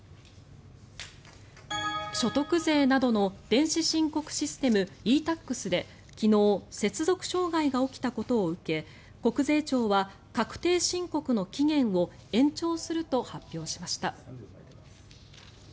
所得税などの電子申告システムｅ−Ｔａｘで昨日、接続障害が起きたことを受け国税庁は確定申告の期限を延長すると発表しました。